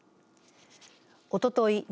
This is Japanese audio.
おととい